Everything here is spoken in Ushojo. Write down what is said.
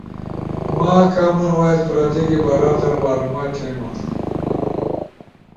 ما کامن وائس پراجیکے بارا در معلومات تھے ما۔